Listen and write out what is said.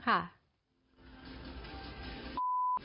ค่ะ